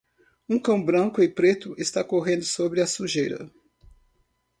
Um cão branco e preto está correndo sobre a sujeira.